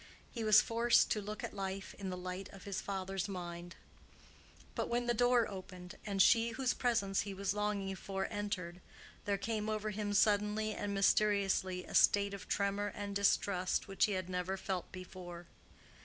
He was forced to look at life in the light of his father's mind. But when the door opened and she whose presence he was longing for entered, there came over him suddenly and mysteriously a state of tremor and distrust which he had never felt before.